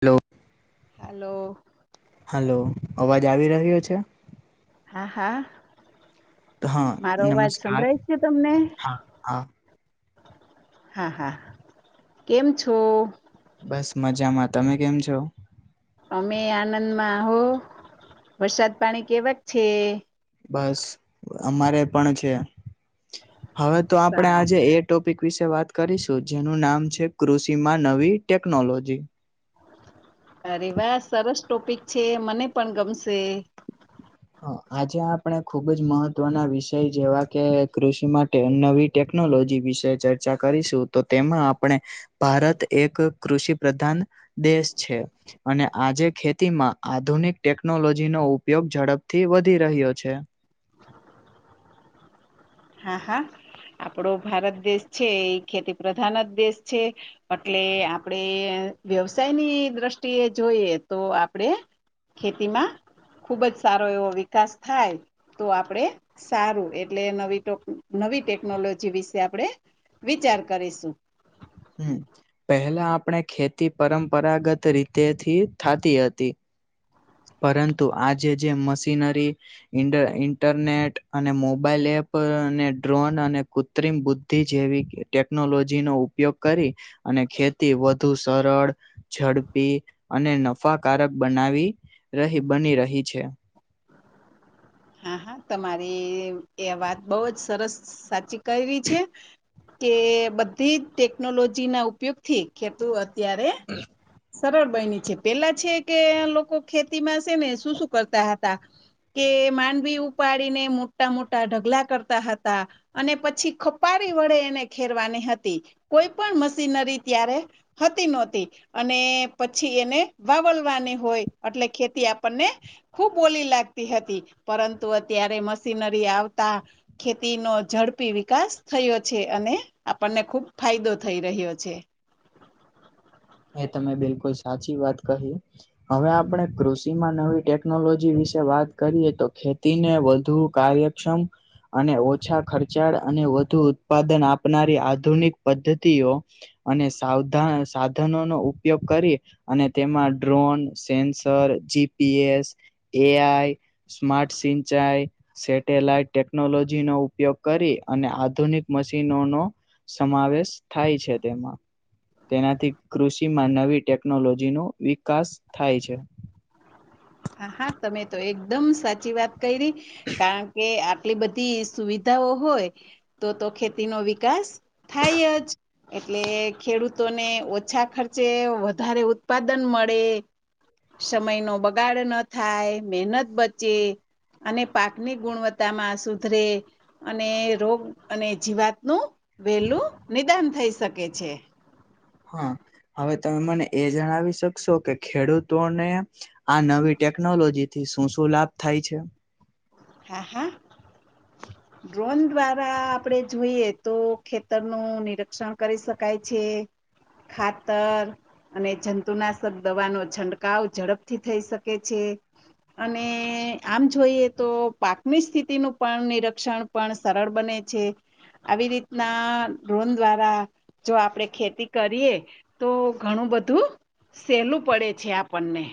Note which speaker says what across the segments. Speaker 1: Hello.
Speaker 2: Hello.
Speaker 1: Hello અવાજ આવી રહ્યો છે?
Speaker 2: હા
Speaker 1: હા
Speaker 2: હા મારો અવાજ
Speaker 1: નમસ્કાર
Speaker 2: સંભળાય છે તમને?
Speaker 1: હા હા.
Speaker 2: હા હા કેમ છો?
Speaker 1: બસ મજામાં તમે કેમ છો?
Speaker 2: અમે આનંદમાં હો વરસાદ પાણી કેવાક છે?
Speaker 1: બસ અમારે પણ છે હવે તો આપડે આજે
Speaker 2: સારું
Speaker 1: એક ટોપિક વિશે વાત કરીશું જેનું નામ છે કૃષિમાં નવી ટેક્નોલોજી.
Speaker 2: અરે વા સરસ ટોપિક છે મને પણ ગમશે.
Speaker 1: હ આજે આપણે ખુબ જ મહત્વના વિષય જેવા કે કૃષિ માટે નવી ટેકનોલોજી વિશે ચર્ચા કરીશું તો તેમાં આપણે ભારત એક કૃષિ પ્રધાન દેશ છે. અને આજે ખેતીમાં આધુનિક ટેકનોલોજીનો ઉપયોગ ઝડપ થી વધી રહ્યો છે.
Speaker 2: હા હા આપડો ભારત દેશ છે એ ખેતી પ્રધાન જ દેશ છે. અટલે આપડે વ્યવસાયની દ્રષ્ટિએ જોઈએ તો આપડે ખેતીમાં ખુબ જ સારો એવો વિકાસ થાય તો આપડે સારું એટલે નવી ટો નવી ટેકનોલોજી વિશે આપણે વિચાર કરીશું.
Speaker 1: હમ્મ પહેલા આપણે ખેતી પરંપરાગત રીતેથી થાતી હતી. પરંતુ આજે જે મશીનરી ઈન્ડ-ઇન્ટરનેટ અને મોબાઈલ એપ અને ડ્રોન અને કૃત્રિમ બુ ધ્ધી જેવી કે ટેકનોલોજીનો ઉપયોગ કરી અને ખેતી વધુ સરળ, ઝડપી અને નફાકારક બનાવી રહી બની રહી છે.
Speaker 2: હા હા તમારી એ વાત બવજ સરસ સાચી કહેવી છે કે બધીજ ટેકનોલોજીના ઉપયોગથી ખેતૂ અત્યારે સરળ બઇની છે પેલા છે કે લોકો ખેતીમાં સેને શું શું કરતા હતા કે માંડવી ઉપાડીને મોટા-મોટા ઢગલા કરતા હતા. અને પછી ખપારી વડે એને ખેરવાની હતી કોઈ પણ મશીનરી ત્યારે હતી નોહતી અને પછી એને વાવલવાની હોય અટલે ખેતી આપણને ખુબ ઓલી લાગતી હતી પરંતુ અત્યારે મશીનરી આવતા ખેતીનો ઝડપી વિકાસ થયો છે અને આપણને ખુબ ફાયદો થઈ રહ્યો છે.
Speaker 1: એ તમે બિલકુલ સાચી વાત કહી. હવે આપણે કૃષિમાં નવી ટેકનોલોજી વિશે વાત કરીએ તો ખેતીને વધુ કાર્ય ક્ષમ અને ઓછા ખર્ચાળ અને વધુ ઉત્પાદન આપનારી આધુનિક પદ્ધતિઓ અને સાવધા-સા ધનોનો ઉપયોગ કરી અને તેમાં drone, sensor, GPS AI, smart સિંચાઈ સેટેલાઈટ ટેકનોલોજીનો ઉપયોગ કરી અને આધુનિક મશીનોનો સમાવેશ થાય છે તેમાં, તેનાથી કૃષિમાં નવી ટેકનોલોજીનો વિકાસ થાય છે.
Speaker 2: હા હા, તમે તો એકદમ સાચી વાત કૈરી કારણ કે આ ટલી બધી સુવિધાઓ હોય તો તો ખેતીનો વિકાસ થાય જ. એટલે ખેડૂતોને ઓછા ખર્ચે વધારે ઉત્પાદન મળે, સમયનો બગાડ ન થાય, મહેનત બચે અને પાકની ગુણવત્તામાં સુધરે અને રોગ અને જીવાતનું વહેલું નિદાન થઈ શકે છે.
Speaker 1: હા, હવે તમે મને એ જણાવી શકશો કે ખેડૂતોને આ નવી ટેકનોલોજીથી શું શું લાભ થાય છે.
Speaker 2: હા હા.
Speaker 1: [inaudible]
Speaker 2: ડ્રોન દ્વારા આપડે જોઈએ તો ખેતરનું નિરક્ષણ કરી શકાય છે. ખાતર અને જંતુનાશક દવાનો છંટકાવ ઝડપથી થઈ શકે છે. અને આમ જોઈએ તો પાકની સ્થિતિનું પણ નિરીક્ષણ પણ સરળ બને છે. આવી રીતના ડ્રોન દ્વારા, જો આપડે ખેતી કરીએ તો ઘણું બધું, સેલું પડે છે આપણને,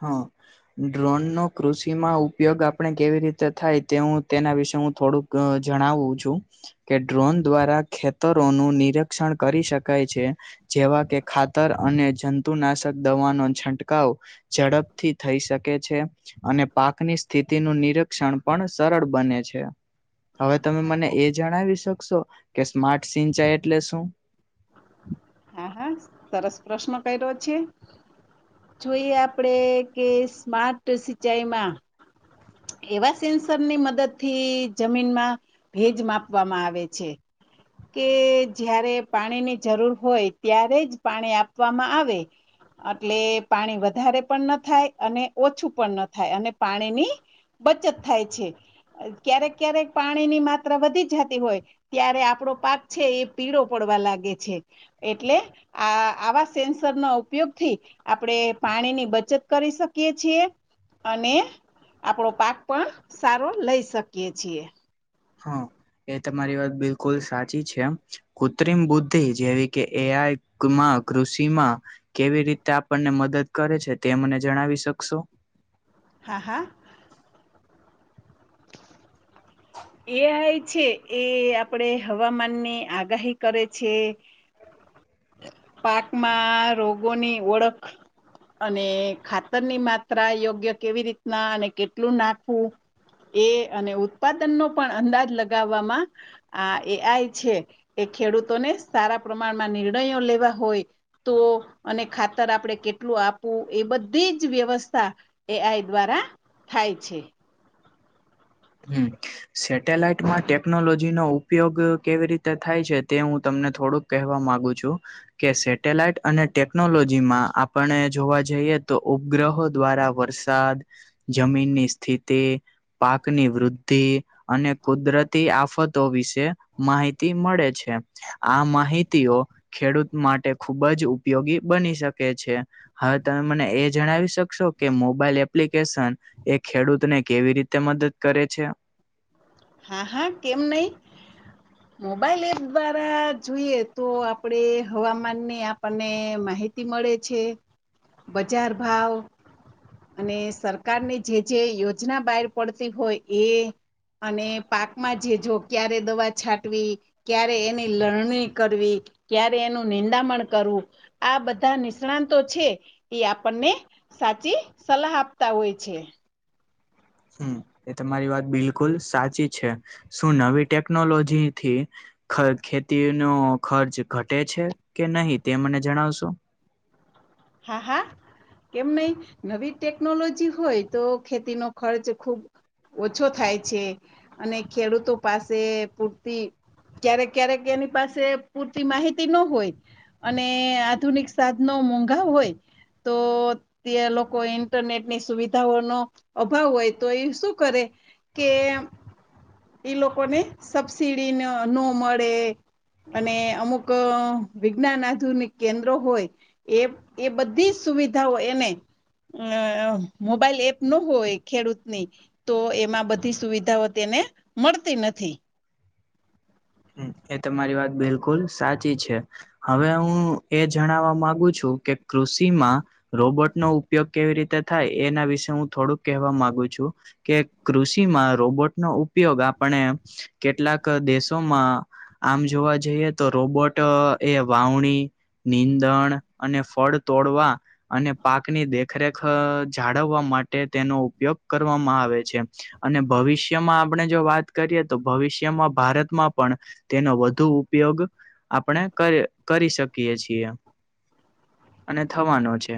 Speaker 1: હ.. ડ્રોન નો કૃષિમાં ઉપયોગ આપણે કેવી રીતે થાય તે હું તેના વિશે હું થોડુંક, અ જણાવું છું. કે ડ્રોન દ્વારા ખેતરોનું નિરક્ષણ કરી શકાય છે. જેવા કે ખાતર અને જંતુનાશક દવાનો છંટકાવ, ઝડપથી થઈ શકે છે. અને પાકની સ્થિતિનું નિરીક્ષણ પણ સરળ બને છે. હવે તમે
Speaker 2: હા
Speaker 1: મને
Speaker 2: હા
Speaker 1: એ જણાવી શકશો કે સ્માર્ટ સિંચાઈ એટલે શું?
Speaker 2: હા હા સરસ પ્રશ્ન કર્યો છે. જોઈએ આપણે કે સ્માર્ટ સિંચાઈમાં, એવા સેન્સરની મદદ થી જમીનમાં ભેજ માપવામાં આવે છે, કે જયારે પાણીની જરૂર હોય ત્યારે જ પાણી આપવામાં આવે, એટલે પાણી વધારે પણ ન થાય અને ઓછું પણ ન થાય અને પાણીની, બચત થાય છે ક્યારેક ક્યારેક પાણીની માત્રા વધી જતી હોય, ત્યારે આપણો પાક છે એ પીળો પડવા લાગે છે એટલે, આ આવા સેન્સર નો ઉપયોગ થી, આપણે પાણીની બચત કરી શકીએ છીએ અને આપણો પાક પણ સારો લઈ શકીએ છીએ,
Speaker 1: હ એ તમારી વાત બિલકુલ સાચી છે, કૃત્રિમ બુદ્ધિ જેવી કે એ આઈ માં કૃષિમાં, કેવી રીતે આપણને મદદ કરે છે તે મને જણાવી શકશો?
Speaker 2: હા હા, એ આઈ છે એ આપડે હવામાન ની આગાહી કરે છે, પાકમાં રોગોની ઓળખ, અને ખાતરની માત્રા યોગ્ય કેવી રીતના અને કેટલું નાખવું, એ અને ઉત્પાદન નો પણ અંદાજ લગાવવામાં, આ એ આઈ છે એ ખેડૂતોને સારા પ્રમાણમાં નિર્ણયો લેવા હોય, તો અને ખાતર આપણે કેટલું આપવું એ બધી જ વ્યવસ્થા, એ આઈ દ્વારા થાય છે.
Speaker 1: હમ, [inaudible] [inaudible] સેટેલાઈટમાં ટેકનોલોજી નો ઉપયોગ કેવી રીતે થાય છે તે હું તમને થોડુંક કહેવા માંગુ છું. કે સેટેલાઈટ અને ટેકનોલોજી માં આપણે ને જોવા જઈએ તો ઉપગ્રહો દ્વારા વર્ષ વરસાદ જમીનની સ્થિતિ ની વૃદ્ધિ અને કુદરતી આફતો વિશે માહિતી મળે છે. આ માહિતીઓ ખેડૂત માટે ખૂબ જ ઉપયોગી બની શકે છે. હવે તમે મને એ જણાવી શકશો કે મોબાઈલ એપ્લિકેશન એ ખેડૂતને કેવી રીતે મદદ કરે છે?
Speaker 2: હા હા કેમ નહી,
Speaker 1: [inaudible] [inaudible] [unintelligible]
Speaker 2: મોબાઈલ એપ દ્વારા જોઈએ તો આપડે હવામાનની આપણને માહિતી મળે છે બજાર ભાવ અને સરકારની જે જે યોજના બહાર પડતી હોય એ અને પાકમાં જે જો ક્યારે દવા છાંટવી? ક્યારે એની લરણી કરવી ક્યારે એનું નિંદામણ કરવું આ બધા નિષ્ણાતો છે એ આપણને સાચી સલાહ આપતા હોય છે.
Speaker 1: હમ એ તમારી વાત બિલકુલ સાચી છે શું નવી ટેકનોલોજી થી ખ ખેતીનો ખર્ચ ઘટે છે કે નહીં તે મને જણાવશો?
Speaker 2: હા હા કેમ નહી નવી ટેકોલોજી હોય તો ખેતી નો ખર્ચ ખૂબ ઓછો થાય છે અને ખેડૂતો પાસે પૂરતી ક્યારેક ક્યારેક એની પાસે પૂરતી માહિતી ન હોય. અને આધુનિક સાધનો મોંઘા હોય તો તે લોકોએ ઇન્ટરનેટની સુવિધાઓનો અભાવ હોય તો એ શું કરે કે એ લોકોને સબસીડી ન નો મળે અને અમુક વિજ્ઞાન આધુનિક કેન્દ્રો હોય એ એ બધી જ સુવિધાઓ એને અ મોબાઈલ એપ નો હોય ખેડૂતની તો એમાં બધી સુવિધાઓ તેને મળતી નથી.
Speaker 1: એ તમારી વાત બિલકુલ સાચી છે. હવે હું એ જણાવા માંગુ છું કે કૃષિમાં રોબોટ નો ઉપયોગ કેવી રીતે એના વિશે હું થોડુંક કહેવા માંગુ છું. કે કૃષિમાં રોબોટ નો ઉપયોગ આપણે કેટલાક દેશોમાં આમ જોવા જઈએ તો રોબોટ એ વાવણી નીંદણ અને ફળ તોડવા અને પાકની દેખરેખ જાળવવા માટે તેનો ઉપયોગ કરવામાં આવે છે. અને ભવિષ્યમાં આપણે જો વાત કરીએ તો ભવિષ્યમાં ભારતમાં પણ તેનો વધુ ઉપયોગ આપણે કરી શકીએ છીએ. અને થવાનો છે.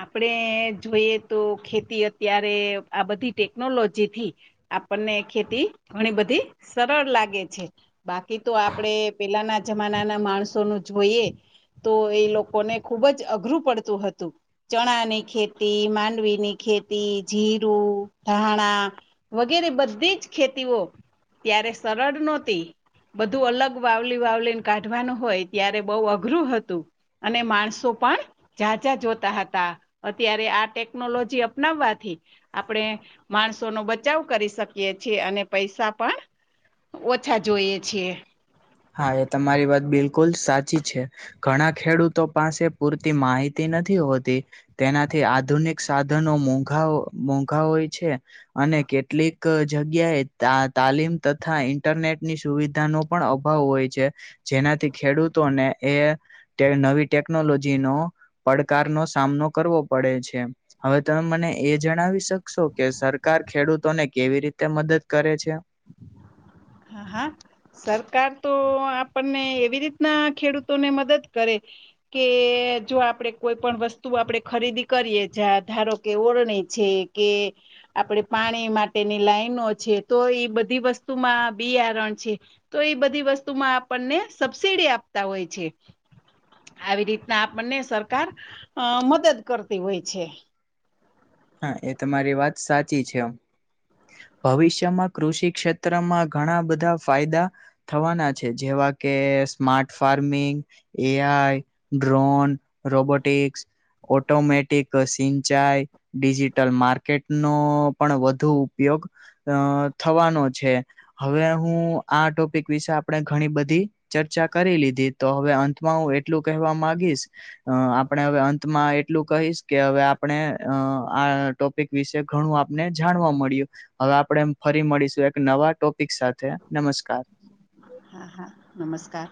Speaker 2: આપણેે જોઈએ તો ખેતી અત્યારે આ બધી ટેકનોલોજી થી આપણને ખેતી ઘણી બધી સરળ લાગે છે. બાકી તો આપડે પેલાના જમાનાના માણસોનું જોઈએ તો એ લોકોને ખુબ જ અઘરું પડતું હતું ચણાની ખેતી માંડવીની ખેતી જીરું ધાણા વગેરે બધી જ ખેતીઓ ત્યારે સરળ નો હતી બધું અલગ વાવલી વાવલી ને કાઢવાનું હોય ત્યારે બહુ અઘરું હતું અને માણસો પણ ઝાઝા જોતા હતા હતા અત્યારે આ ટેકનોલોજી અપનાવાથી આપણે માણસો નો બચાવ કરી શકીએ છીએ અને પૈસા પણ ઓછા જોઈએ છે.
Speaker 1: હા એ તમારી વાત બિલકુલ સાચી છે ઘણા ખેડૂતો પાસે પૂરતી માહિતી નથી હોતી તેનાથી આધુનિક સાધનો મોઘા મોંઘા હોય છે અને કેટલીક જગ્યાએ તાલીમ તથા ઇન્ટરનેટ ની સુવિધાનો પણ અભા ભાવ હોય છે જેનાથી ખેડૂતોને એ ટે નવી ટેકનોલોજીનો પડકાર નો સામનો કરવો પડે છે. હવે તમે મને એ જણાવી શકશો કે સરકાર ખેડૂતોને કેવી રીતે મદદ કરે છે?
Speaker 2: હા, હા. સરકાર તો આપણને એવી રીતના ખેડૂતોને મદદ કરે કે જો આપડે કોઈ પણ વસ્તુ આપણેે ખરીદી કરીએ જા ધારો કે ઓરણી છે કે આપડે પાણી માટેની લાઈનો છે તો ઇ બધી વસ્તુમાં બિયારણ છે તો એ બધી વસ્તુમાં આપણને સબસિડી આપતા હોય છે. આવી રીતના આપણને સરકાર અ મદદ કરતી હોય છે.
Speaker 1: હા, એ તમારી વાત સાચી છે. ભવિષ્યમાં કૃષિ ક્ષેત્રમાં ઘણા બધા ફાયદા થવાના છે જેવા કે smart farming AI, drone, robotics automatic સિંચાઈ ડિજિટલ માર્કેટ નો પણ વધુ ઉપયોગ અ થવાનો છે. હવે હું આ ટોપિક વિશે આપણે ઘણી બધી ચર્ચા કરી લીધી તો હવે અંતમાં હું એટલું કહેવા માગીશ અ આપણે હવે અંતમાં એટલું કહીશ કે હવે આપણે અ આ ટોપિક વિશે ઘણું આપને જાણવા મળ્યું. હવે આપડે એમ ફરી મળીશું એક નવા ટોપિક સાથે. નમસ્કાર.
Speaker 2: હા, હા. નમસ્કાર.